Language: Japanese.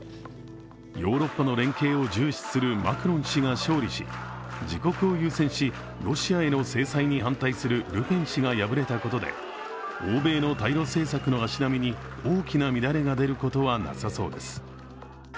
ヨーロッパの連携を重視するマクロン氏が勝利し自国を優先し、ロシアへの制裁に反対するルペン氏が敗れたことで欧米の対ロ政策の足並みに大きな乱れが出ることはなさそうです。